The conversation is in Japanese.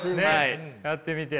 やってみて。